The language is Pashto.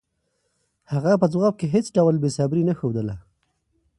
هغه په ځواب کې هېڅ ډول بېصبري نه ښودله.